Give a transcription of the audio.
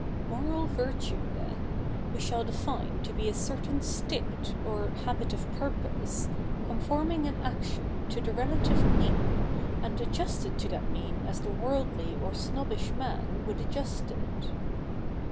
Moral virtue, the 71, we shall def7ie to be a certain state, or habit of pur pose, co7for77ii7ig in actio7i to the 7 elative 77iean, a7id ad justed to that i7iean as the worldly or s7iobbish 7nan would adjust it.